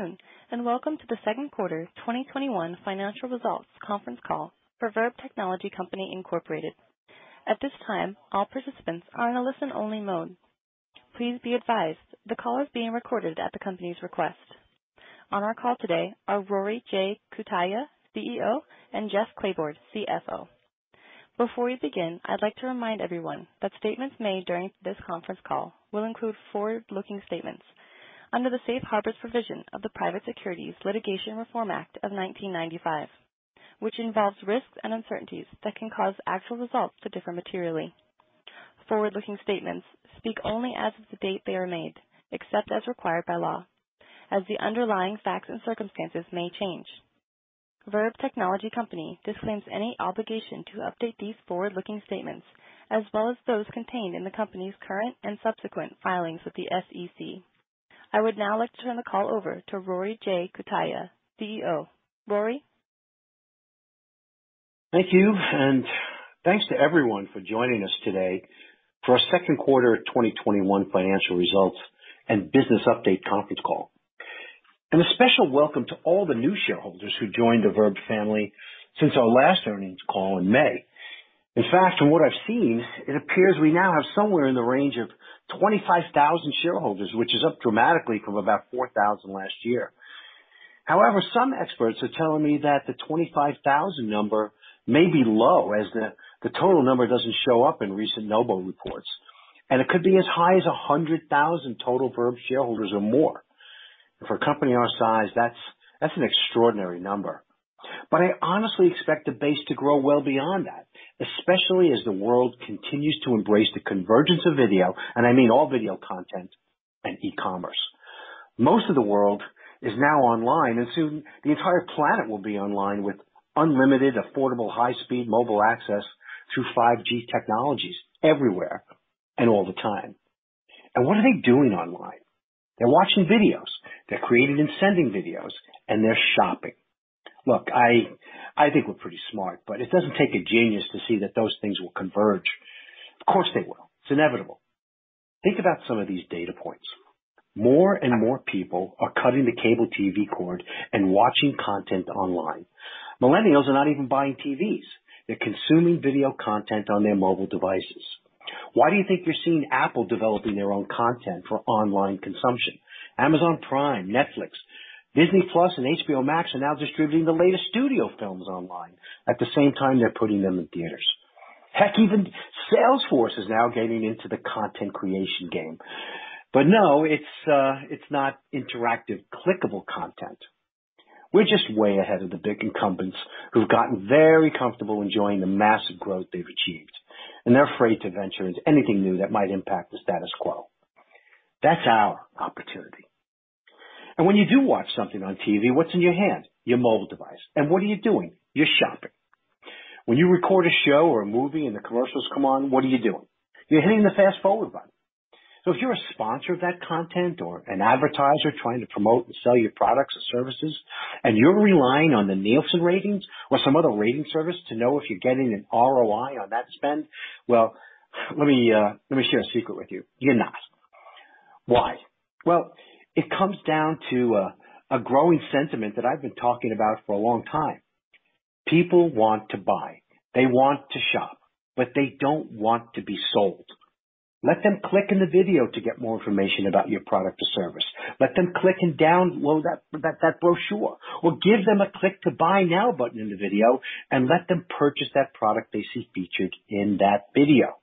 Afternoon. Welcome to the Second Quarter 2021 Financial Results Conference Call for Verb Technology Company, Inc. At this time, all participants are in a listen-only mode. Please be advised, the call is being recorded at the company's request. On our call today are Rory J. Cutaia, CEO, and Jeff Clayborne, CFO. Before we begin, I'd like to remind everyone that statements made during this conference call will include forward-looking statements under the safe harbors provision of the Private Securities Litigation Reform Act of 1995, which involves risks and uncertainties that can cause actual results to differ materially. Forward-looking statements speak only as of the date they are made, except as required by law, as the underlying facts and circumstances may change. Verb Technology Company disclaims any obligation to update these forward-looking statements, as well as those contained in the company's current and subsequent filings with the SEC. I would now like to turn the call over to Rory J. Cutaia, CEO. Rory? Thank you, and thanks to everyone for joining us today for our second quarter 2021 financial results and business update conference call. A special welcome to all the new shareholders who joined the Verb family since our last earnings call in May. In fact, from what I've seen, it appears we now have somewhere in the range of 25,000 shareholders, which is up dramatically from about 4,000 last year. However, some experts are telling me that the 25,000 number may be low as the total number doesn't show up in recent NOBO reports, and it could be as high as 100,000 total Verb shareholders or more. For a company our size, that's an extraordinary number. I honestly expect the base to grow well beyond that, especially as the world continues to embrace the convergence of video, and I mean all video content, and e-commerce. Most of the world is now online, and soon the entire planet will be online with unlimited, affordable, high-speed mobile access through 5G technologies everywhere and all the time. What are they doing online? They're watching videos. They're creating and sending videos, and they're shopping. Look, I think we're pretty smart, but it doesn't take a genius to see that those things will converge. Of course, they will. It's inevitable. Think about some of these data points. More and more people are cutting the cable TV cord and watching content online. Millennials are not even buying TVs. They're consuming video content on their mobile devices. Why do you think you're seeing Apple developing their own content for online consumption? Amazon Prime, Netflix, Disney+, and HBO Max are now distributing the latest studio films online at the same time they're putting them in theaters. Heck, even Salesforce is now getting into the content creation game. No, it's not interactive clickable content. We're just way ahead of the big incumbents who've gotten very comfortable enjoying the massive growth they've achieved, and they're afraid to venture into anything new that might impact the status quo. That's our opportunity. When you do watch something on TV, what's in your hand? Your mobile device. What are you doing? You're shopping. When you record a show or a movie and the commercials come on, what are you doing? You're hitting the fast-forward button. If you're a sponsor of that content or an advertiser trying to promote and sell your products or services, and you're relying on the Nielsen ratings or some other rating service to know if you're getting an ROI on that spend, well, let me share a secret with you. You're not. Why? It comes down to a growing sentiment that I've been talking about for a long time. People want to buy. They want to shop, but they don't want to be sold. Let them click in the video to get more information about your product or service. Let them click and download that brochure, or give them a Click to Buy Now button in the video and let them purchase that product they see featured in that video.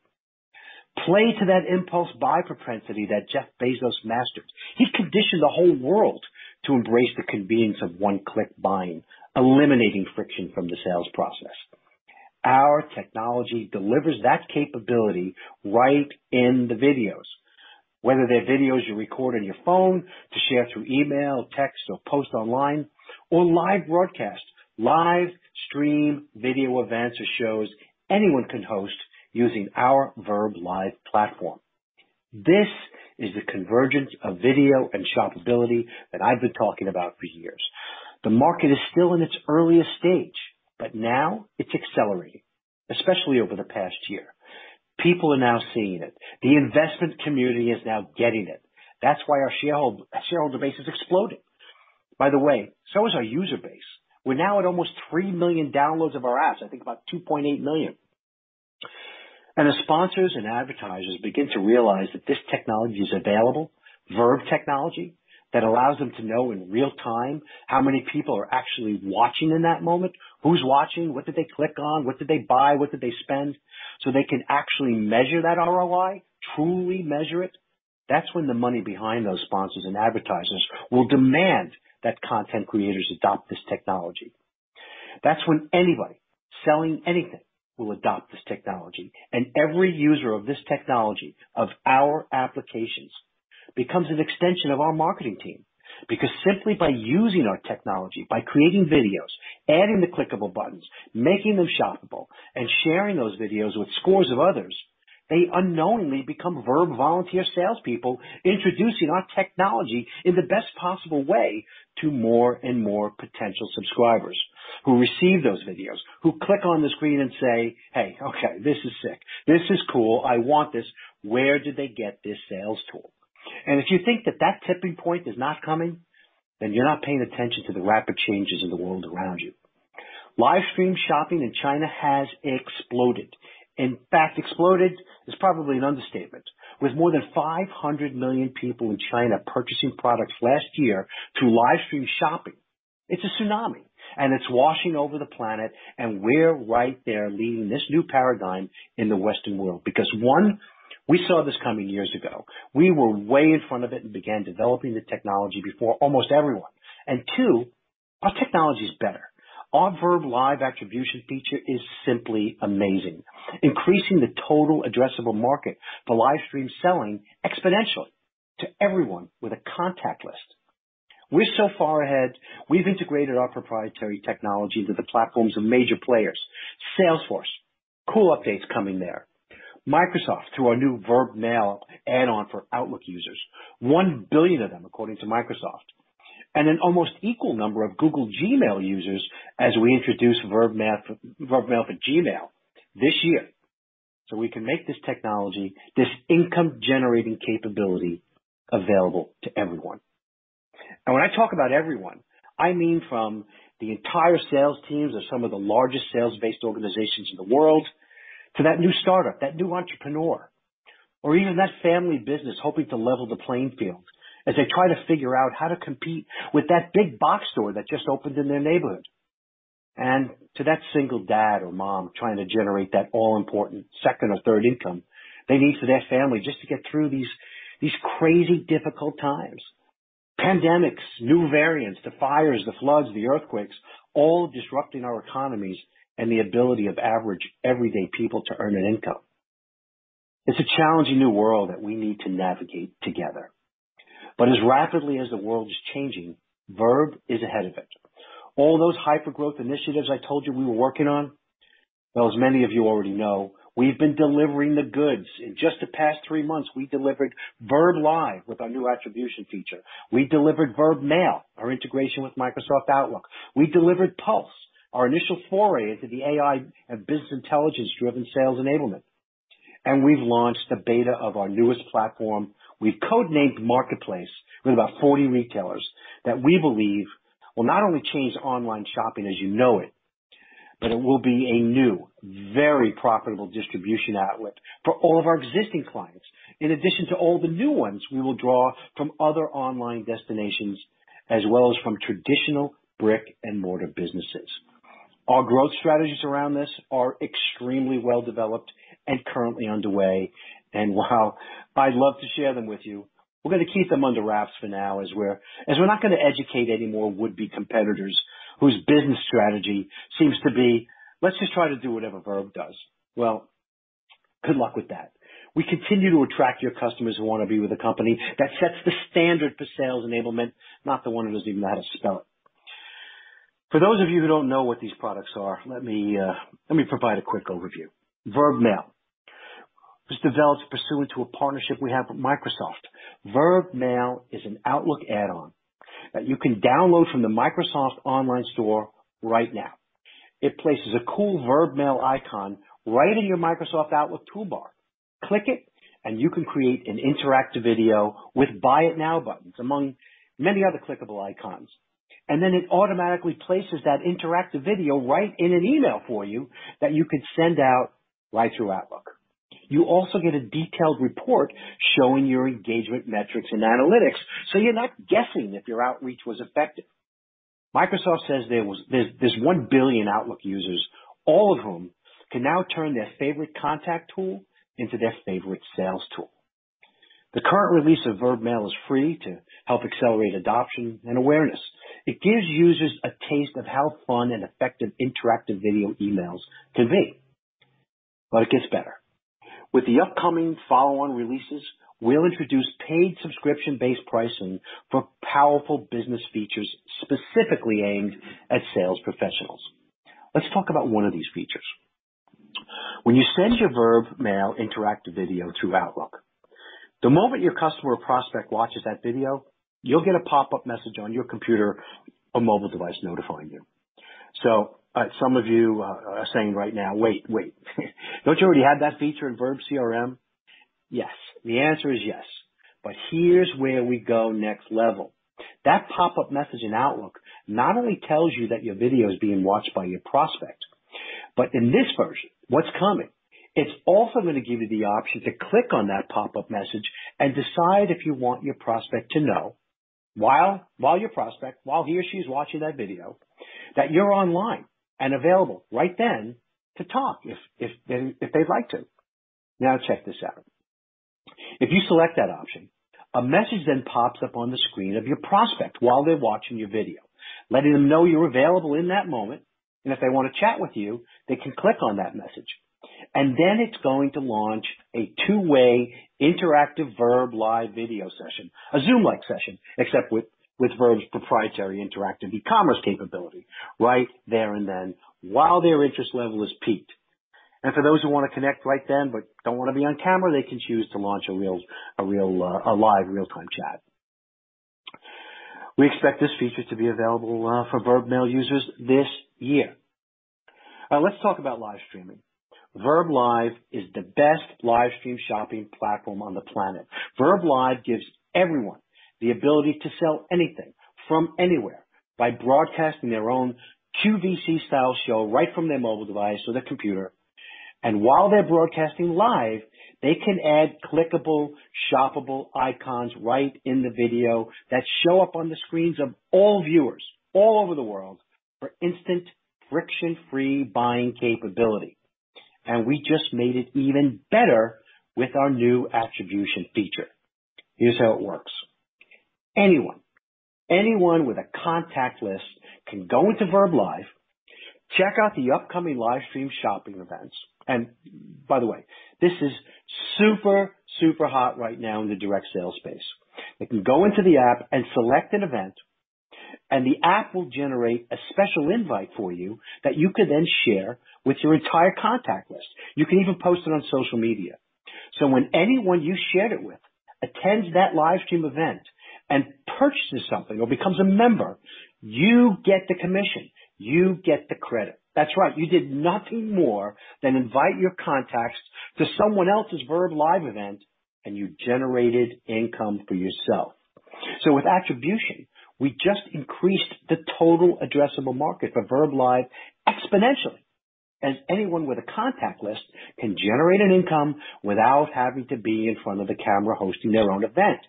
Play to that impulse buy propensity that Jeff Bezos mastered. He conditioned the whole world to embrace the convenience of one-click buying, eliminating friction from the sales process. Our technology delivers that capability right in the videos, whether they're videos you record on your phone to share through email, text, or post online, or live broadcasts, live stream video events or shows anyone can host using our verbLIVE platform. This is the convergence of video and shoppability that I've been talking about for years. The market is still in its earliest stage, but now it's accelerating, especially over the past year. People are now seeing it. The investment community is now getting it. That's why our shareholder base is exploding. By the way, so is our user base. We're now at almost 3 million downloads of our apps, I think about 2.8 million. As sponsors and advertisers begin to realize that this technology is available, Verb technology, that allows them to know in real time how many people are actually watching in that moment, who's watching, what did they click on, what did they buy, what did they spend, so they can actually measure that ROI, truly measure it. That's when the money behind those sponsors and advertisers will demand that content creators adopt this technology. That's when anybody selling anything will adopt this technology. Every user of this technology, of our applications, becomes an extension of our marketing team. Because simply by using our technology, by creating videos, adding the clickable buttons, making them shoppable, and sharing those videos with scores of others, they unknowingly become Verb volunteer salespeople, introducing our technology in the best possible way to more and more potential subscribers. Who receive those videos, who click on the screen and say, "Hey, okay. This is sick. This is cool. I want this. Where did they get this sales tool?" If you think that that tipping point is not coming, then you're not paying attention to the rapid changes in the world around you. Livestream shopping in China has exploded. Exploded is probably an understatement. With more than 500 million people in China purchasing products last year through livestream shopping, it's a tsunami, and it's washing over the planet, and we're right there leading this new paradigm in the Western world. Because one, we saw this coming years ago. We were way in front of it and began developing the technology before almost everyone. And two, our technology is better. Our verbLIVE attribution feature is simply amazing, increasing the total addressable market for livestream selling exponentially to everyone with a contact list. We're so far ahead, we've integrated our proprietary technology into the platforms of major players. Salesforce, cool updates coming there. Microsoft, through our new verbMAIL add-on for Outlook users, 1 billion of them, according to Microsoft. An almost equal number of Google Gmail users as we introduce verbMAIL for Gmail this year. We can make this technology, this income-generating capability, available to everyone. When I talk about everyone, I mean from the entire sales teams of some of the largest sales-based organizations in the world, to that new startup, that new entrepreneur, or even that family business hoping to level the playing field as they try to figure out how to compete with that big box store that just opened in their neighborhood. To that single dad or mom trying to generate that all-important second or third income they need for their family just to get through these crazy difficult times. Pandemics, new variants, the fires, the floods, the earthquakes, all disrupting our economies and the ability of average, everyday people to earn an income. It's a challenging new world that we need to navigate together. As rapidly as the world is changing, Verb is ahead of it. All those hyper-growth initiatives I told you we were working on, well, as many of you already know, we've been delivering the goods. In just the past three months, we delivered verbLIVE with our new attribution feature. We delivered verbMAIL, our integration with Microsoft Outlook. We delivered Pulse, our initial foray into the AI and business intelligence-driven sales enablement. We've launched the beta of our newest platform we've codenamed Marketplace, with about 40 retailers, that we believe will not only change online shopping as you know it, but it will be a new, very profitable distribution outlet for all of our existing clients, in addition to all the new ones we will draw from other online destinations as well as from traditional brick-and-mortar businesses. Our growth strategies around this are extremely well-developed and currently underway. While I'd love to share them with you, we're going to keep them under wraps for now, as we're not going to educate any more would-be competitors whose business strategy seems to be, "Let's just try to do whatever Verb does." Well, good luck with that. We continue to attract your customers who want to be with a company that sets the standard for sales enablement, not the one who doesn't even know how to spell it. For those of you who don't know what these products are, let me provide a quick overview. verbMAIL was developed pursuant to a partnership we have with Microsoft. verbMAIL is an Outlook add-on that you can download from the Microsoft online store right now. It places a cool verbMAIL icon right in your Microsoft Outlook toolbar. Click it you can create an interactive video with "Buy It Now" buttons, among many other clickable icons. Then it automatically places that interactive video right in an email for you that you can send out right through Outlook. You also get a detailed report showing your engagement metrics and analytics so you're not guessing if your outreach was effective. Microsoft says there's 1 billion Outlook users, all of whom can now turn their favorite contact tool into their favorite sales tool. The current release of verbMAIL is free to help accelerate adoption and awareness. It gives users a taste of how fun and effective interactive video emails can be. It gets better. With the upcoming follow-on releases, we'll introduce paid subscription-based pricing for powerful business features specifically aimed at sales professionals. Let's talk about one of these features. When you send your verbMAIL interactive video through Outlook, the moment your customer or prospect watches that video, you'll get a pop-up message on your computer or mobile device notifying you. Some of you are saying right now, "Wait. Don't you already have that feature in verbCRM?" Yes. The answer is yes. Here's where we go next level. That pop-up message in Outlook not only tells you that your video is being watched by your prospect, but in this version, what's coming, it's also going to give you the option to click on that pop-up message and decide if you want your prospect to know while your prospect, while he or she is watching that video, that you're online and available right then to talk if they'd like to. Now check this out. If you select that option, a message pops up on the screen of your prospect while they're watching your video, letting them know you're available in that moment. If they want to chat with you, they can click on that message. It's going to launch a two-way interactive verbLIVE video session, a Zoom-like session, except with Verb's proprietary interactive e-commerce capability, right there and then while their interest level is piqued. For those who want to connect right then but don't want to be on camera, they can choose to launch a live real-time chat. We expect this feature to be available for verbMAIL users this year. Let's talk about live streaming. verbLIVE is the best live stream shopping platform on the planet. verbLIVE gives everyone the ability to sell anything from anywhere by broadcasting their own QVC-style show right from their mobile device or their computer. While they're broadcasting live, they can add clickable, shoppable icons right in the video that show up on the screens of all viewers, all over the world, for instant friction-free buying capability. We just made it even better with our new attribution feature. Here's how it works. Anyone with a contact list can go into verbLIVE, check out the upcoming live stream shopping events. By the way, this is super hot right now in the direct sales space. They can go into the app and select an event, and the app will generate a special invite for you that you could then share with your entire contact list. You can even post it on social media. When anyone you shared it with attends that live stream event and purchases something or becomes a member, you get the commission, you get the credit. That's right. You did nothing more than invite your contacts to someone else's verbLIVE event, and you generated income for yourself. With attribution, we just increased the total addressable market for verbLIVE exponentially, as anyone with a contact list can generate an income without having to be in front of the camera hosting their own event.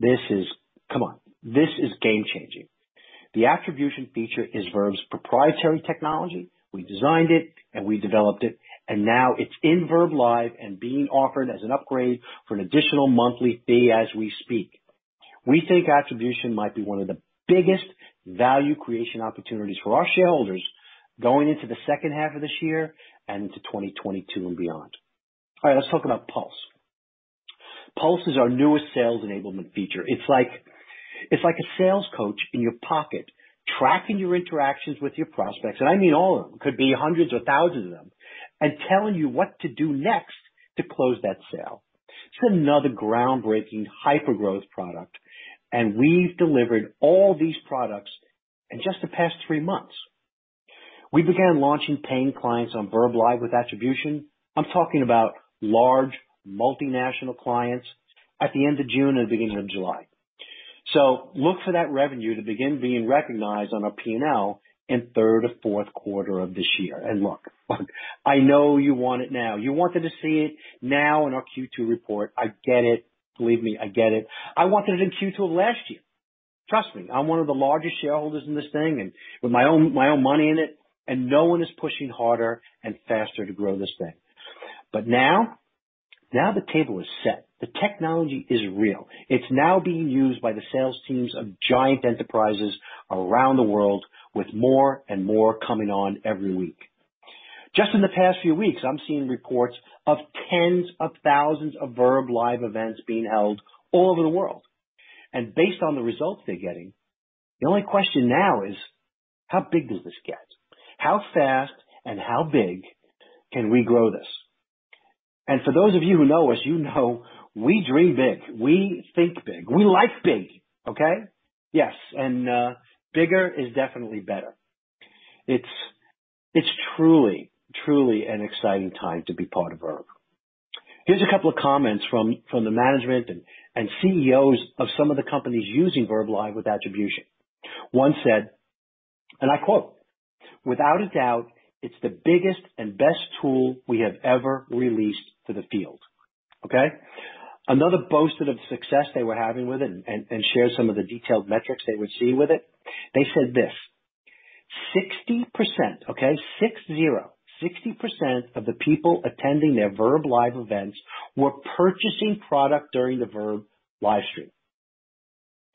Come on. This is game-changing. The attribution feature is Verb's proprietary technology. We designed it, and we developed it, and now it's in verbLIVE and being offered as an upgrade for an additional monthly fee as we speak. We think attribution might be one of the biggest value creation opportunities for our shareholders going into the second half of this year and into 2022 and beyond. All right. Let's talk about Pulse. Pulse is our newest sales enablement feature. It's like a sales coach in your pocket, tracking your interactions with your prospects, and I mean all of them. Could be hundreds or thousands of them, and telling you what to do next to close that sale. It's another groundbreaking hypergrowth product, and we've delivered all these products in just the past three months. We began launching paying clients on verbLIVE with attribution. I'm talking about large multinational clients at the end of June or the beginning of July. Look for that revenue to begin being recognized on our P&L in third or fourth quarter of this year. Look, I know you want it now. You wanted to see it now in our Q2 report. I get it. Believe me, I get it. I wanted it in Q2 of last year. Trust me, I'm one of the largest shareholders in this thing and with my own money in it, and no one is pushing harder and faster to grow this thing. Now, the table is set. The technology is real. It's now being used by the sales teams of giant enterprises around the world, with more and more coming on every week. Just in the past few weeks, I'm seeing reports of tens of thousands of verbLIVE events being held all over the world. Based on the results they're getting, the only question now is: how big does this get? How fast and how big can we grow this? For those of you who know us, you know we dream big. We think big. We like big. Okay. Yes, bigger is definitely better. It's truly an exciting time to be part of Verb. Here's a couple of comments from the management and CEOs of some of the companies using verbLIVE with attribution. One said, I quote, "Without a doubt, it's the biggest and best tool we have ever released for the field." Okay. Another boasted of the success they were having with it and shared some of the detailed metrics they were seeing with it. They said this, 60%, okay, six-zero, 60% of the people attending their verbLIVE events were purchasing product during the verbLIVE stream.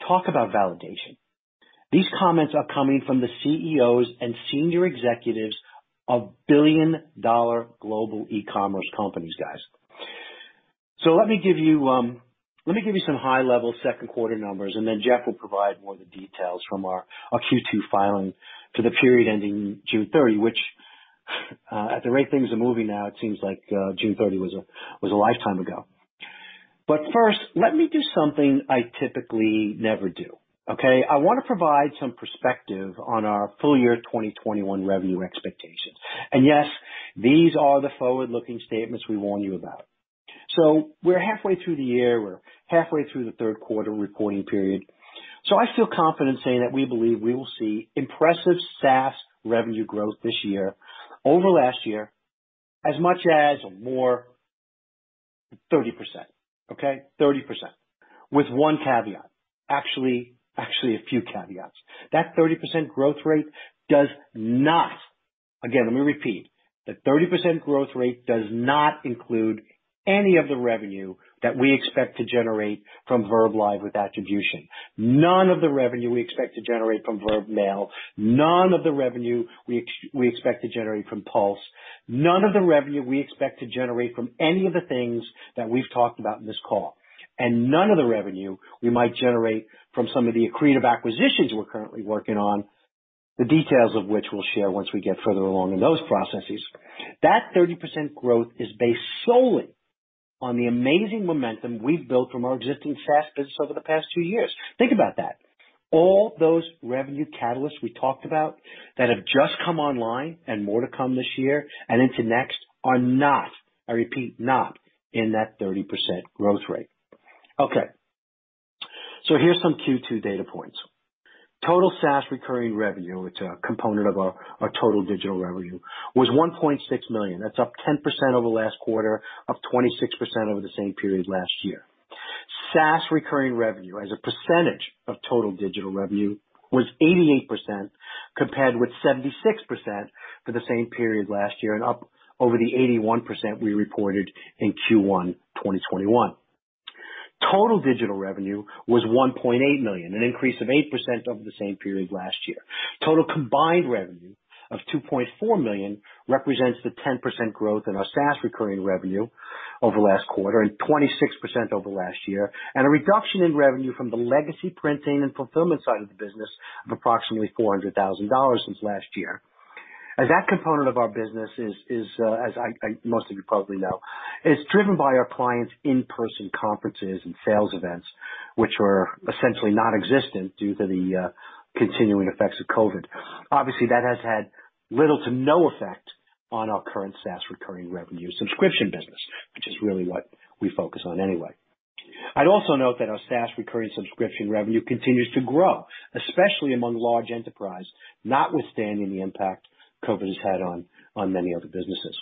Talk about validation. These comments are coming from the CEOs and senior executives of billion-dollar global e-commerce companies, guys. Let me give you some high-level second quarter numbers, and then Jeff will provide more of the details from our Q2 filing for the period ending June 30, which, at the rate things are moving now, it seems like June 30 was a lifetime ago. First, let me do something I typically never do. Okay. I want to provide some perspective on our full year 2021 revenue expectations. Yes, these are the forward-looking statements we warn you about. We're halfway through the year. We're halfway through the third quarter reporting period. I feel confident saying that we believe we will see impressive SaaS revenue growth this year over last year as much as more 30%. Okay. 30%, with one caveat. Actually, a few caveats. That 30% growth rate does not, again, let me repeat, that 30% growth rate does not include any of the revenue that we expect to generate from verbLIVE with attribution. None of the revenue we expect to generate from verbMAIL. None of the revenue we expect to generate from Pulse. None of the revenue we expect to generate from any of the things that we've talked about in this call. None of the revenue we might generate from some of the accretive acquisitions we're currently working on. The details of which we'll share once we get further along in those processes. That 30% growth is based solely on the amazing momentum we've built from our existing SaaS business over the past two years. Think about that. All those revenue catalysts we talked about that have just come online, and more to come this year and into next, are not, I repeat, not in that 30% growth rate. Okay, here's some Q2 data points. Total SaaS recurring revenue, it's a component of our total digital revenue, was $1.6 million. That's up 10% over the last quarter, up 26% over the same period last year. SaaS recurring revenue as a percentage of total digital revenue was 88%, compared with 76% for the same period last year and up over the 81% we reported in Q1 2021. Total digital revenue was $1.8 million, an increase of 8% over the same period last year. Total combined revenue of $2.4 million represents the 10% growth in our SaaS recurring revenue over last quarter and 26% over last year, and a reduction in revenue from the legacy printing and fulfillment side of the business of approximately $400,000 since last year. As that component of our business is, as most of you probably know, driven by our clients' in-person conferences and sales events, which were essentially nonexistent due to the continuing effects of COVID. Obviously, that has had little to no effect on our current SaaS recurring revenue subscription business, which is really what we focus on anyway. I'd also note that our SaaS recurring subscription revenue continues to grow, especially among large enterprise, notwithstanding the impact COVID has had on many other businesses.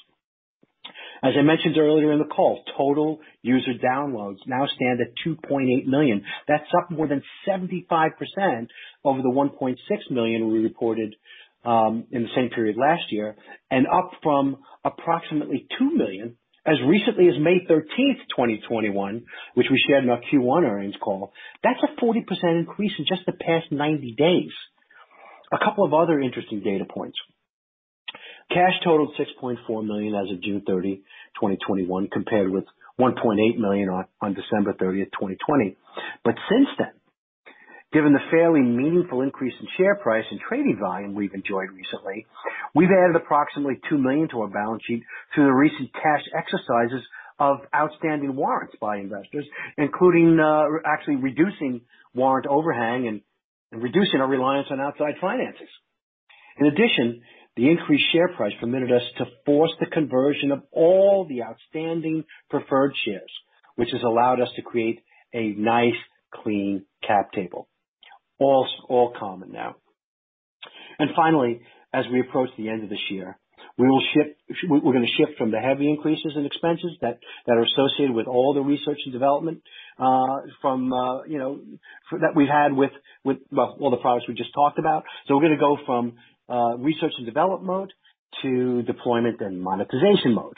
As I mentioned earlier in the call, total user downloads now stand at 2.8 million. That's up more than 75% over the 1.6 million we reported in the same period last year, and up from approximately $2 million as recently as May 13th, 2021, which we shared in our Q1 earnings call. That's a 40% increase in just the past 90 days. A couple of other interesting data points. Cash totaled $6.4 million as of June 30, 2021, compared with $1.8 million on December 30, 2020. Since then, given the fairly meaningful increase in share price and trading volume we've enjoyed recently, we've added approximately $2 million to our balance sheet through the recent cash exercises of outstanding warrants by investors, including actually reducing warrant overhang and reducing our reliance on outside finances. In addition, the increased share price permitted us to force the conversion of all the outstanding preferred shares, which has allowed us to create a nice, clean cap table. All common now. Finally, as we approach the end of this year, we're going to shift from the heavy increases in expenses that are associated with all the research and development that we've had with all the products we just talked about. We're going to go from research and develop mode to deployment and monetization mode.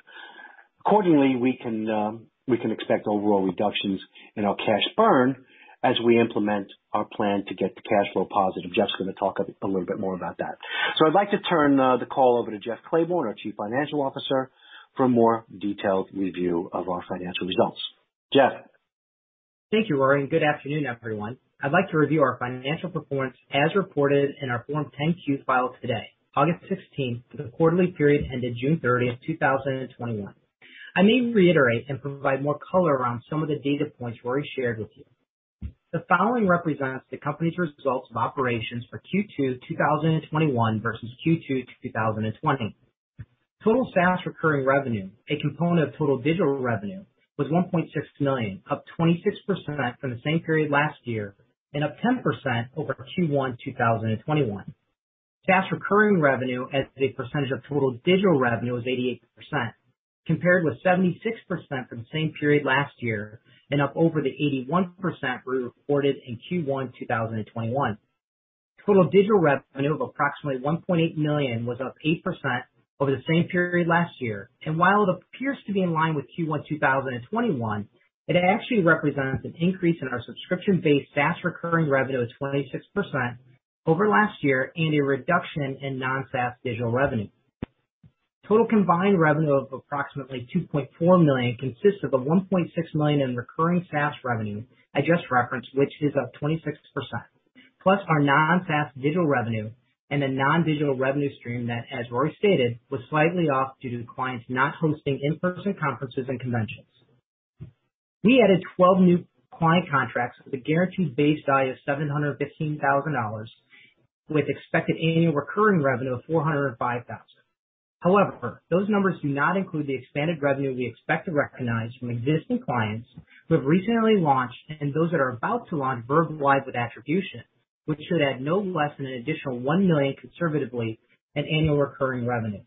Accordingly, we can expect overall reductions in our cash burn as we implement our plan to get to cash flow positive. Jeff's going to talk a little bit more about that. I'd like to turn the call over to Jeff Clayborne, our Chief Financial Officer, for a more detailed review of our financial results. Jeff? Thank you, Rory, and good afternoon, everyone. I'd like to review our financial performance as reported in our Form 10-Q filed today, August 16th, for the quarterly period ended June 30th, 2021. I may reiterate and provide more color around some of the data points Rory shared with you. The following represents the company's results of operations for Q2 2021 versus Q2 2020. Total SaaS recurring revenue, a component of total digital revenue, was $1.6 million, up 26% from the same period last year and up 10% over Q1 2021. SaaS recurring revenue as a percentage of total digital revenue is 88%, compared with 76% from the same period last year and up over the 81% we reported in Q1 2021. Total digital revenue of approximately $1.8 million was up 8% over the same period last year. While it appears to be in line with Q1 2021, it actually represents an increase in our subscription-based SaaS recurring revenue of 26% over last year and a reduction in non-SaaS digital revenue. Total combined revenue of approximately $2.4 million consists of the $1.6 million in recurring SaaS revenue I just referenced, which is up 26%, plus our non-SaaS digital revenue and a non-digital revenue stream that, as Rory stated, was slightly off due to clients not hosting in-person conferences and conventions. We added 12 new client contracts with a guaranteed base value of $715,000 with expected annual recurring revenue of $405,000. Those numbers do not include the expanded revenue we expect to recognize from existing clients who have recently launched and those that are about to launch verbLIVE with attribution, which should add no less than an additional $1 million, conservatively, in annual recurring revenue.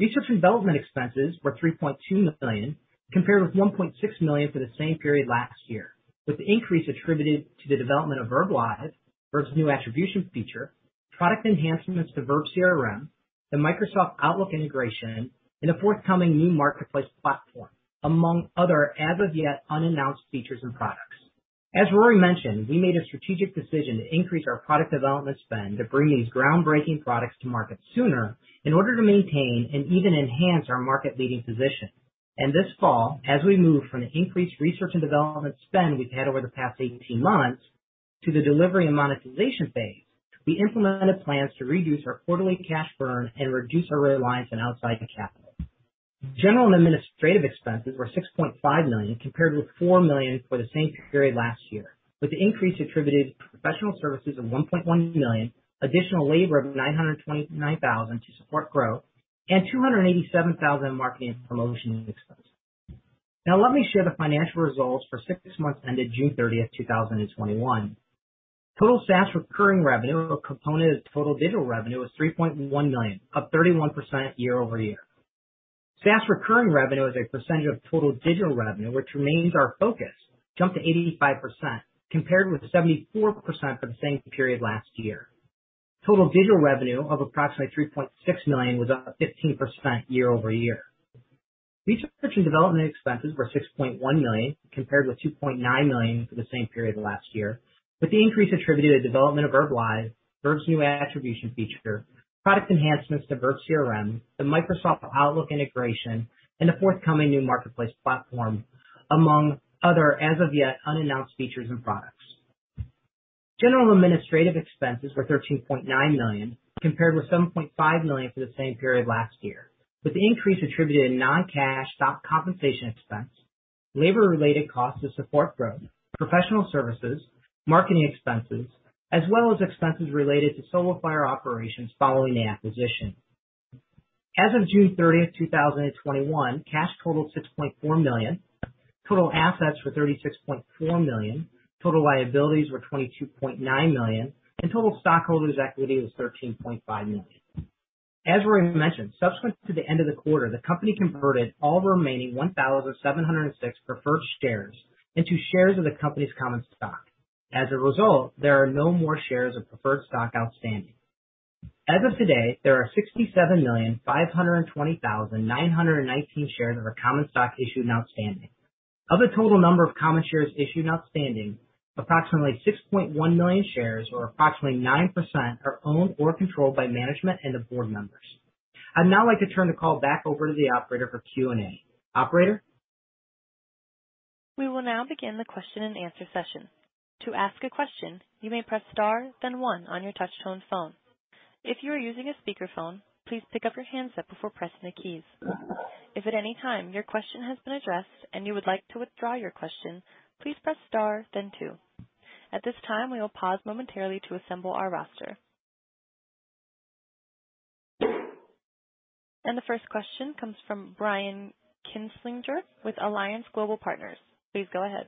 Research and development expenses were $3.2 million, compared with $1.6 million for the same period last year, with the increase attributed to the development of verbLIVE, Verb's new attribution feature, product enhancements to verbCRM, the Microsoft Outlook integration, and a forthcoming new marketplace platform, among other as of yet unannounced features and products. As Rory mentioned, we made a strategic decision to increase our product development spend to bring these groundbreaking products to market sooner in order to maintain and even enhance our market leading position. This fall, as we move from the increased research and development spend we've had over the past 18 months to the delivery and monetization phase, we implemented plans to reduce our quarterly cash burn and reduce our reliance on outside capital. General and administrative expenses were $6.5 million compared with $4 million for the same period last year, with the increase attributed to professional services of $1.1 million, additional labor of $929,000 to support growth, and $287,000 in marketing and promotional expenses. Now let me share the financial results for six months ended June 30th, 2021. Total SaaS recurring revenue, a component of total digital revenue, was $3.1 million, up 31% year-over-year. SaaS recurring revenue as a percentage of total digital revenue, which remains our focus, jumped to 85%, compared with 74% for the same period last year. Total digital revenue of approximately $3.6 million was up 15% year-over-year. Research and development expenses were $6.1 million compared with $2.9 million for the same period last year, with the increase attributed to development of verbLIVE, Verb's new attribution feature, product enhancements to verbCRM, the Microsoft Outlook integration, and the forthcoming new Marketplace platform, among other as of yet unannounced features and products. General and administrative expenses were $13.9 million compared with $7.5 million for the same period last year, with the increase attributed to non-cash stock compensation expense, labor-related costs to support growth, professional services, marketing expenses, as well as expenses related to SoloFire operations following the acquisition. As of June 30th, 2021, cash totaled $6.4 million, total assets were $36.4 million, total liabilities were $22.9 million, and total stockholders' equity was $13.5 million. As Rory mentioned, subsequent to the end of the quarter, the company converted all the remaining 1,706 preferred shares into shares of the company's common stock. As a result, there are no more shares of preferred stock outstanding. As of today, there are 67,520,919 shares of our common stock issued and outstanding. Of the total number of common shares issued and outstanding, approximately 6.1 million shares, or approximately 9%, are owned or controlled by management and the board members. I'd now like to turn the call back over to the operator for Q&A. Operator? We will now begin the question-and-answer session. To ask a question, you may press star then one on your touchtone phone. If you are using a speaker phone, please pick up your handset before pressing the keys. If at any time your question has been addressed and you would like to withdraw your question, please press star then two. At this time, we will pause momentarily to assemble our roster. And the first question comes from Brian Kinstlinger with Alliance Global Partners. Please go ahead.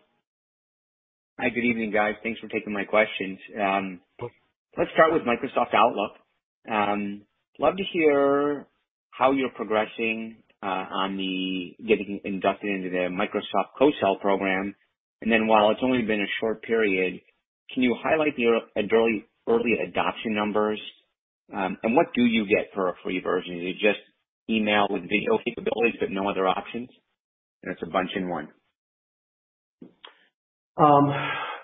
Hi. Good evening, guys. Thanks for taking my questions. Let's start with Microsoft Outlook. Love to hear how you're progressing on getting inducted into the Microsoft co-sell program. While it's only been a short period, can you highlight your early adoption numbers? What do you get for a free version? Is it just email with video capabilities but no other options? It's a bunch in one.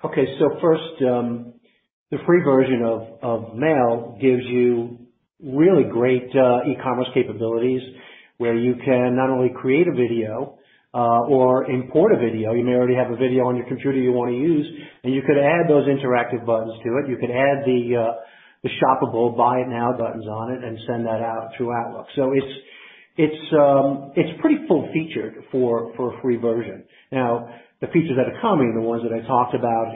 Okay. First, the free version of Mail gives you really great e-commerce capabilities where you can not only create a video or import a video, you may already have a video on your computer you want to use, and you could add those interactive buttons to it. You could add the shoppable "Buy It Now" buttons on it and send that out through Outlook. It's pretty full-featured for a free version. Now, the features that are coming, the ones that I talked about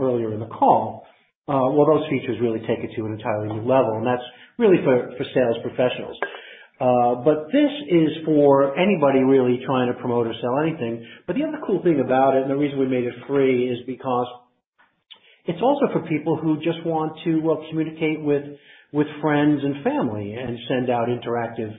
earlier in the call, well, those features really take it to an entirely new level, and that's really for sales professionals. This is for anybody really trying to promote or sell anything. The other cool thing about it, and the reason we made it free, is because it's also for people who just want to communicate with friends and family and send out interactive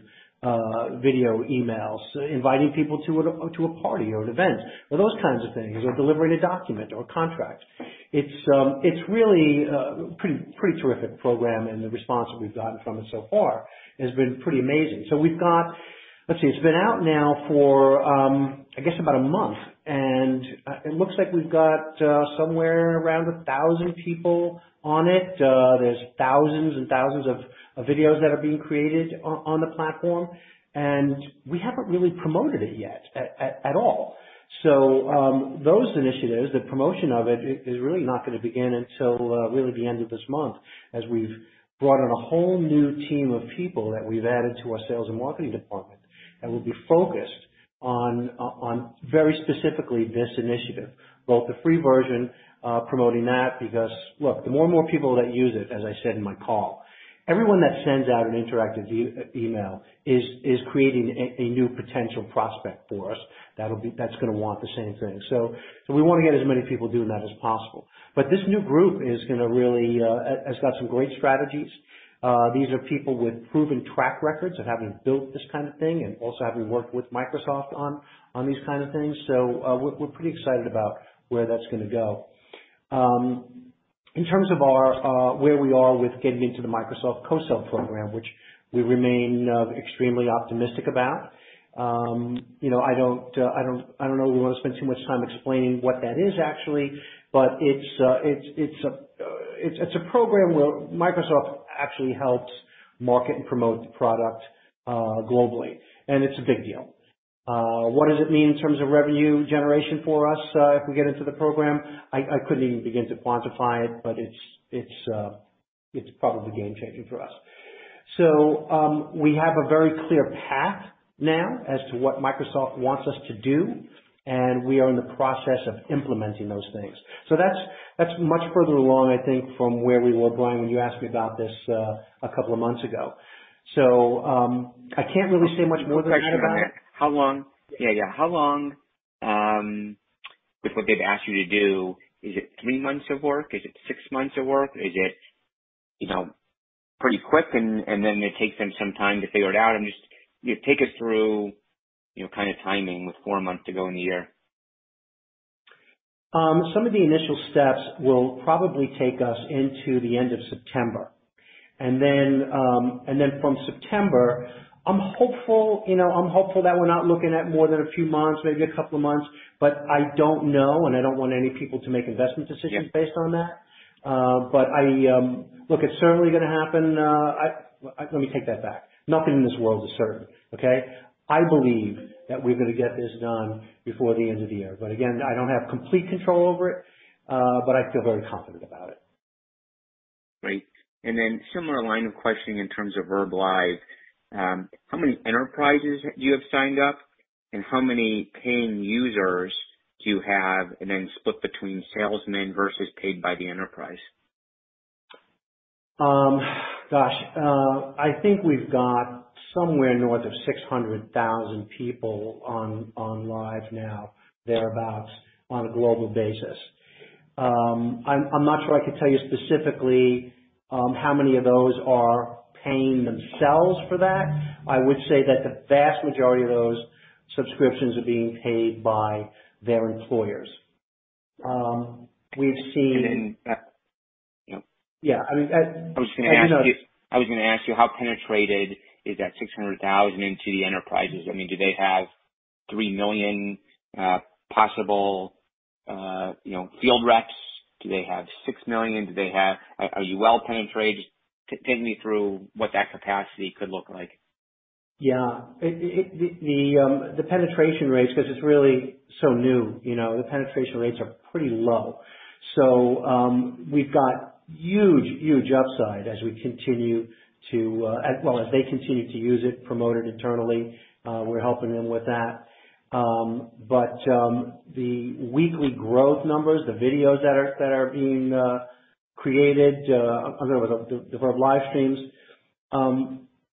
video emails inviting people to a party or an event or those kinds of things, or delivering a document or contract. It's really a pretty terrific program, and the response that we've gotten from it so far has been pretty amazing. We've got, let's see, it's been out now for, I guess about a month, and it looks like we've got somewhere around 1,000 people on it. There's thousands and thousands of videos that are being created on the platform, and we haven't really promoted it yet at all. Those initiatives, the promotion of it, is really not going to begin until really the end of this month, as we've brought on a whole new team of people that we've added to our sales and marketing department that will be focused on very specifically this initiative, both the free version, promoting that, because look, the more and more people that use it, as I said in my call, everyone that sends out an interactive email is creating a new potential prospect for us that's going to want the same thing. We want to get as many people doing that as possible. This new group has got some great strategies. These are people with proven track records of having built this kind of thing and also having worked with Microsoft on these kind of things. We're pretty excited about where that's going to go. In terms of where we are with getting into the Microsoft Co-sell Program, which we remain extremely optimistic about. I don't know if we want to spend too much time explaining what that is actually, but it's a program where Microsoft actually helps Market promote the product globally. It's a big deal. What does it mean in terms of revenue generation for us if we get into the program? I couldn't even begin to quantify it, but it's probably game-changing for us. We have a very clear path now as to what Microsoft wants us to do, and we are in the process of implementing those things. That's much further along, I think, from where we were, Brian, when you asked me about this a couple of months ago. I can't really say much more than that about it. How long with what they've asked you to do, is it three months of work? Is it six months of work? Is it pretty quick, then it takes them some time to figure it out? Just take us through kind of timing with four months to go in the year. Some of the initial steps will probably take us into the end of September. Then from September, I'm hopeful that we're not looking at more than a few months, maybe a couple of months. I don't know, and I don't want any people to make investment decisions based on that. Look, it's certainly going to happen. Let me take that back. Nothing in this world is certain, okay? I believe that we're going to get this done before the end of the year. Again, I don't have complete control over it. I feel very confident about it. Great. Similar line of questioning in terms of verbLIVE, how many enterprises do you have signed up, and how many paying users do you have? Split between salesmen versus paid by the enterprise? Gosh. I think we've got somewhere north of 600,000 people on live now, thereabouts, on a global basis. I'm not sure I can tell you specifically how many of those are paying themselves for that. I would say that the vast majority of those subscriptions are being paid by their employers. And that- Yeah. I was going to ask you, how penetrated is that 600,000 into the enterprises? Do they have 3 million possible field reps? Do they have 6 million? Are you well penetrated? Just take me through what that capacity could look like. The penetration rates, because it's really so new, the penetration rates are pretty low. We've got huge upside as they continue to use it, promote it internally. We're helping them with that. The weekly growth numbers, the videos that are being created, the verbLIVE streams,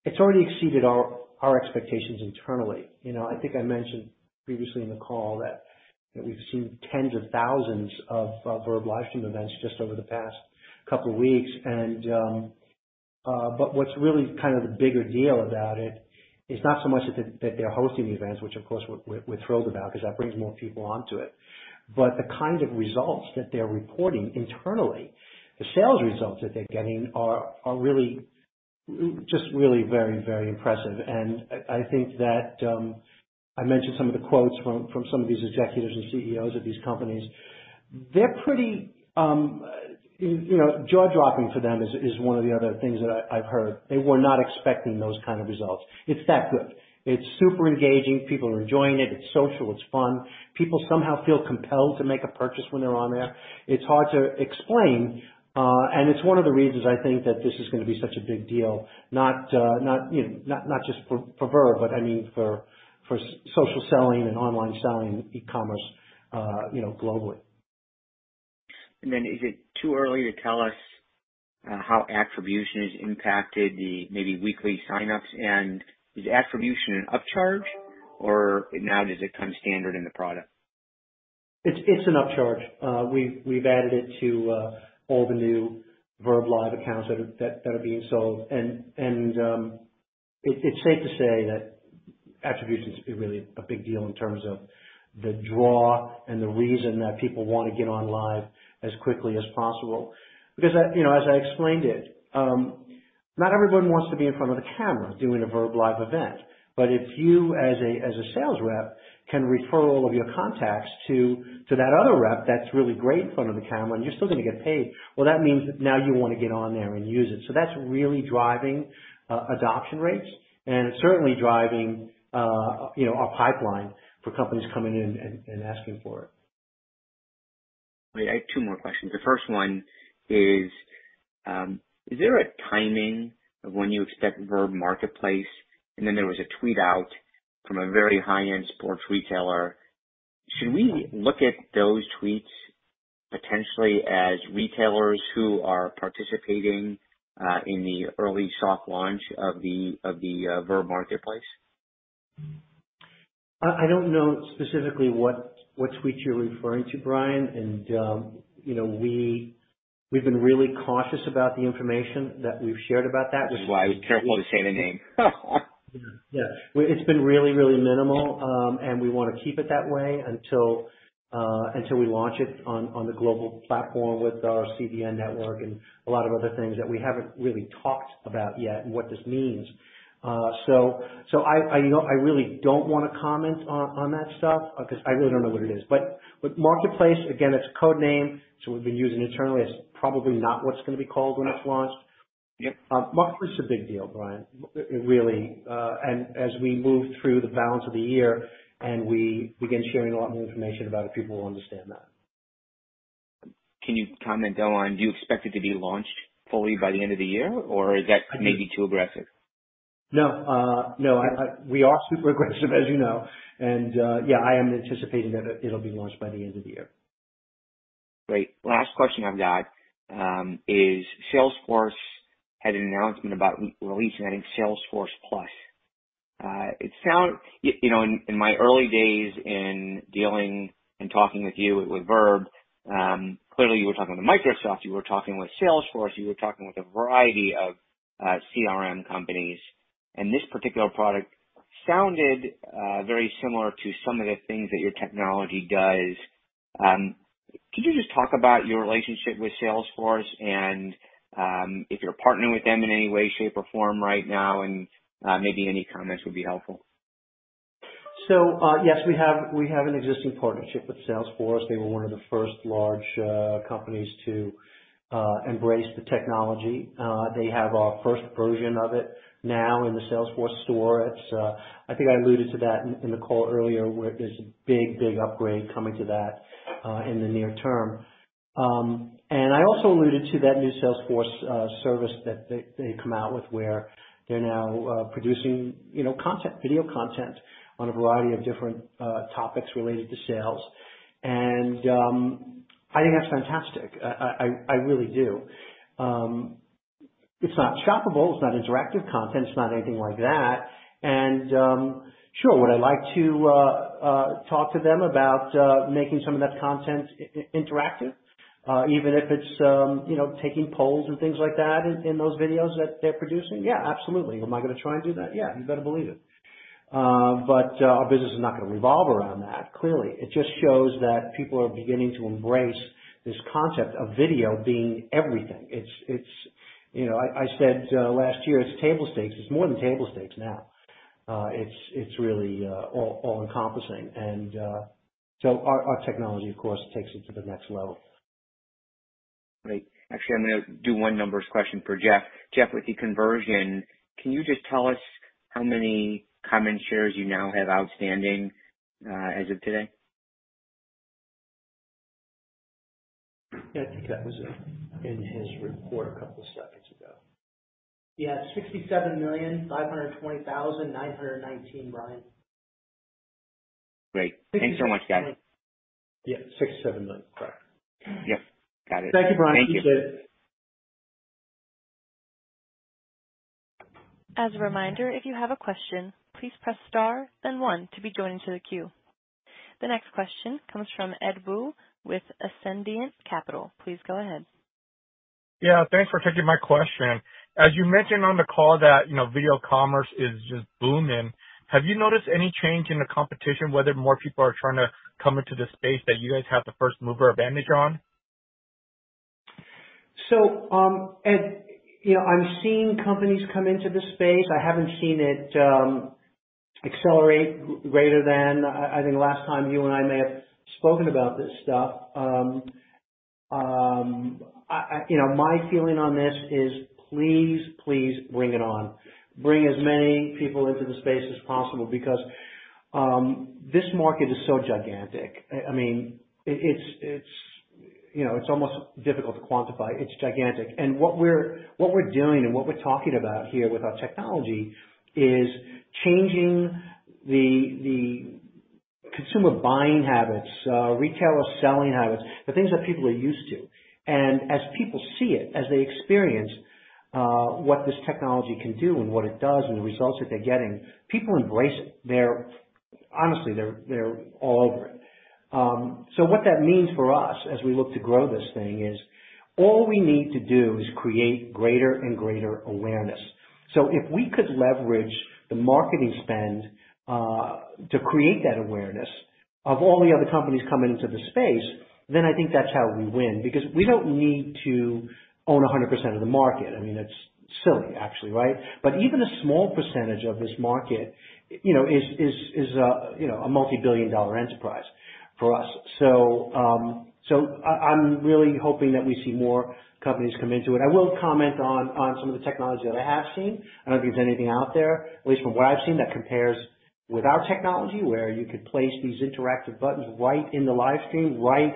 it's already exceeded our expectations internally. I think I mentioned previously in the call that we've seen tens of thousands of verbLIVE stream events just over the past two weeks. What's really kind of the bigger deal about it is not so much that they're hosting the events, which of course we're thrilled about because that brings more people onto it. The kind of results that they're reporting internally, the sales results that they're getting are just really very impressive. I think that I mentioned some of the quotes from some of these executives and CEOs of these companies. They're pretty jaw-dropping for them is one of the other things that I've heard. They were not expecting those kind of results. It's that good. It's super engaging. People are enjoying it. It's social. It's fun. People somehow feel compelled to make a purchase when they're on there. It's hard to explain. It's one of the reasons I think that this is going to be such a big deal, not just for Verb, but I mean for social selling and online selling, e-commerce globally. Is it too early to tell us how attribution has impacted the maybe weekly sign-ups? Is attribution an upcharge or now does it come standard in the product? It's an upcharge. We've added it to all the new verbLIVE accounts that are being sold. It's safe to say that attribution is really a big deal in terms of the draw and the reason that people want to get on live as quickly as possible. As I explained it, not everyone wants to be in front of the camera doing a verbLIVE event. If you, as a sales rep, can refer all of your contacts to that other rep that's really great in front of the camera, and you're still going to get paid, well, that means now you want to get on there and use it. That's really driving adoption rates and certainly driving our pipeline for companies coming in and asking for it. I have two more questions. The first one is there a timing of when you expect Verb Marketplace? There was a tweet out from a very high-end sports retailer. Should we look at those tweets potentially as retailers who are participating in the early soft launch of the Verb Marketplace? I don't know specifically what tweet you're referring to, Brian. We've been really cautious about the information that we've shared about that. Which is why I was careful to say the name. It's been really minimal, and we want to keep it that way until we launch it on the global platform with our CDN network and a lot of other things that we haven't really talked about yet and what this means. I really don't want to comment on that stuff because I really don't know what it is. Marketplace, again, it's a code name. We've been using internally. It's probably not what it's going to be called when it's launched. Yep. Marketplace is a big deal, Brian. Really. As we move through the balance of the year, and we begin sharing a lot more information about it, people will understand that. Can you comment on, do you expect it to be launched fully by the end of the year, or is that maybe too aggressive? No. We are super aggressive, as you know. Yeah, I am anticipating that it'll be launched by the end of the year. Great. Last question I've got is, Salesforce had an announcement about releasing, I think, Salesforce+. In my early days in dealing and talking with you with Verb, clearly you were talking with Microsoft, you were talking with Salesforce, you were talking with a variety of CRM companies, and this particular product sounded very similar to some of the things that your technology does. Could you just talk about your relationship with Salesforce and if you're partnering with them in any way, shape, or form right now, and maybe any comments would be helpful. Yes, we have an existing partnership with Salesforce. They were one of the first large companies to embrace the technology. They have our first version of it now in the Salesforce store. I think I alluded to that in the call earlier, where there's a big upgrade coming to that in the near term. I also alluded to that new Salesforce service that they've come out with where they're now producing video content on a variety of different topics related to sales. I think that's fantastic. I really do. It's not shoppable, it's not interactive content, it's not anything like that. Sure, would I like to talk to them about making some of that content interactive? Even if it's taking polls and things like that in those videos that they're producing? Yeah, absolutely. Am I going to try and do that? Yeah, you better believe it. Our business is not going to revolve around that. Clearly. It just shows that people are beginning to embrace this concept of video being everything. I said last year, it's table stakes. It's more than table stakes now. It's really all-encompassing. Our technology, of course, takes it to the next level. Great. Actually, I'm gonna do one numbers question for Jeff. Jeff, with the conversion, can you just tell us how many common shares you now have outstanding as of today? I think that was in his report a couple of seconds ago. Yeah, 67,520,919, Brian. Great. Thanks so much, guys. Yeah. 67 million, correct. Yep. Got it. Thank you, Brian. Thank you. Appreciate it. As a reminder, if you have a question please press star then one to join the queue. The next question comes from Ed Woo with Ascendiant Capital. Please go ahead. Yeah, thanks for taking my question. As you mentioned on the call that video commerce is just booming, have you noticed any change in the competition, whether more people are trying to come into the space that you guys have the first-mover advantage on? Ed, I'm seeing companies come into the space. I haven't seen it accelerate greater than I think last time you and I may have spoken about this stuff. My feeling on this is please bring it on. Bring as many people into the space as possible because this market is so gigantic. It's almost difficult to quantify. It's gigantic. What we're doing and what we're talking about here with our technology is changing the consumer buying habits, retailers selling habits, the things that people are used to. As people see it, as they experience what this technology can do and what it does and the results that they're getting, people embrace it. Honestly, they're all over it. What that means for us as we look to grow this thing is all we need to do is create greater and greater awareness. If we could leverage the marketing spend to create that awareness of all the other companies coming into the space, then I think that's how we win, because we don't need to own 100% of the market. It's silly, actually, right? Even a small percentage of this market is a multi-billion dollar enterprise for us. I'm really hoping that we see more companies come into it. I will comment on some of the technology that I have seen. I don't think there's anything out there, at least from what I've seen, that compares with our technology, where you could place these interactive buttons right in the live stream, right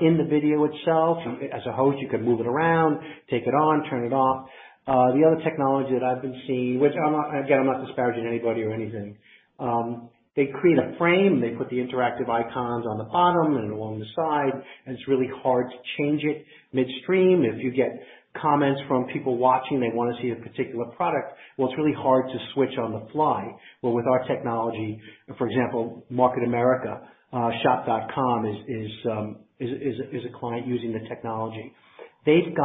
in the video itself. As a host, you could move it around, take it on, turn it off. The other technology that I've been seeing, which, again, I'm not disparaging anybody or anything. They create a frame. They put the interactive icons on the bottom and along the side, and it's really hard to change it midstream. If you get comments from people watching, they want to see a particular product, well, it's really hard to switch on the fly. Well, with our technology, for example, Market America, SHOP.COM is a client using the technology. I think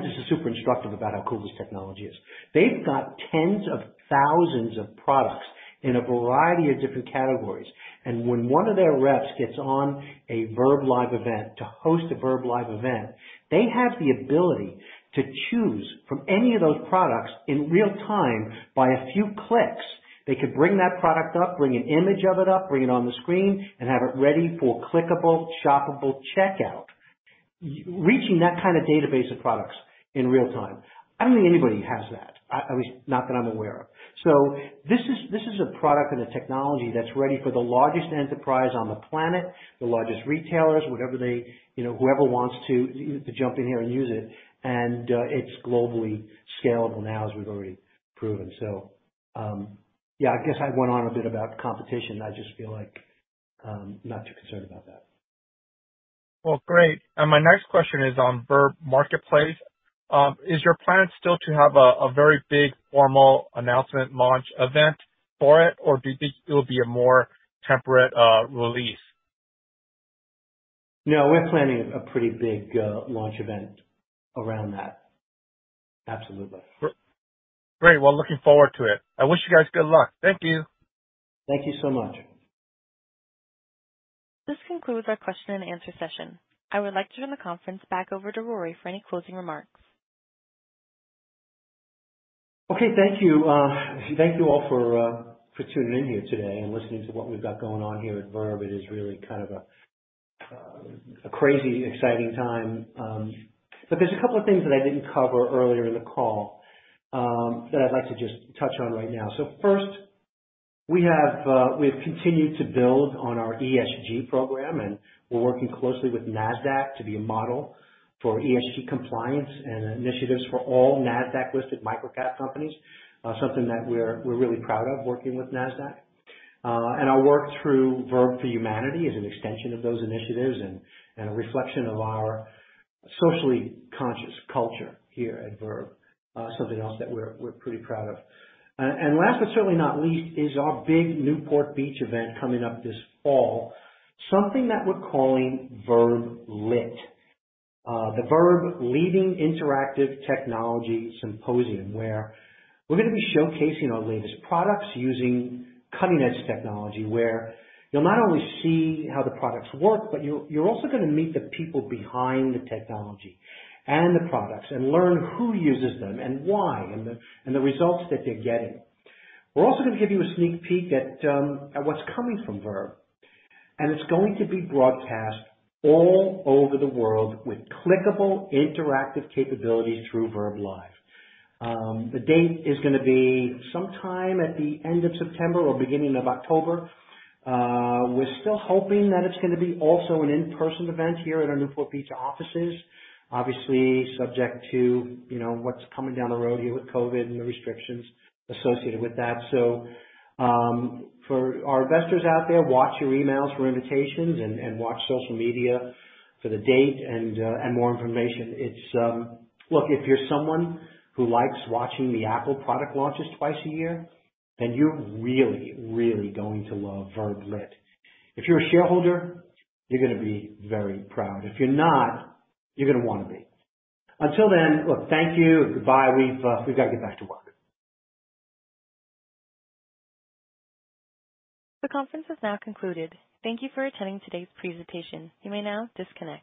this is super instructive about how cool this technology is. They've got tens of thousands of products in a variety of different categories, and when one of their reps gets on a verbLIVE event to host a verbLIVE event, they have the ability to choose from any of those products in real time by a few clicks. They could bring that product up, bring an image of it up, bring it on the screen, and have it ready for clickable, shoppable checkout. Reaching that kind of database of products in real time, I don't think anybody has that. At least not that I'm aware of. This is a product and a technology that's ready for the largest enterprise on the planet, the largest retailers, whoever wants to jump in here and use it. It's globally scalable now, as we've already proven. Yeah, I guess I went on a bit about competition. I just feel like I'm not too concerned about that. Well, great. My next question is on Verb Marketplace. Is your plan still to have a very big formal announcement launch event for it, or do you think it'll be a more temperate release? No, we're planning a pretty big launch event around that. Absolutely. Great. Well, looking forward to it. I wish you guys good luck. Thank you. Thank you so much. This concludes our question-and-answer session. I would like to turn the conference back over to Rory for any closing remarks. Okay. Thank you. Thank you all for tuning in here today and listening to what we've got going on here at Verb. It is really kind of a crazy exciting time. There's a couple of things that I didn't cover earlier in the call that I'd like to just touch on right now. First, we have continued to build on our ESG program, and we're working closely with Nasdaq to be a model for ESG compliance and initiatives for all Nasdaq-listed micro-cap companies. Something that we're really proud of working with Nasdaq. Our work through Verb for Humanity is an extension of those initiatives and a reflection of our socially conscious culture here at Verb. Something else that we're pretty proud of. Last, but certainly not least, is our big Newport Beach event coming up this fall, something that we're calling verbLIT The Verb Leading Interactive Technology symposium, where we're gonna be showcasing our latest products using cutting-edge technology, where you'll not only see how the products work, but you're also gonna meet the people behind the technology and the products and learn who uses them and why and the results that they're getting. We're also gonna give you a sneak peek at what's coming from Verb, and it's going to be broadcast all over the world with clickable interactive capabilities through verbLIVE. The date is gonna be sometime at the end of September or beginning of October. We're still hoping that it's gonna be also an in-person event here at our Newport Beach offices. Obviously, subject to what's coming down the road here with COVID and the restrictions associated with that. For our investors out there, watch your emails for invitations and watch social media for the date and more information. Look, if you're someone who likes watching the Apple product launches twice a year, you're really going to love verbLIT. If you're a shareholder, you're gonna be very proud. If you're not, you're gonna wanna be. Until then, look, thank you. Goodbye. We've got to get back to work. The conference has now concluded. Thank you for attending today's presentation. You may now disconnect.